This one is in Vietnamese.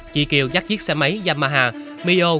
chị kiều dắt chiếc xe máy yamaha mio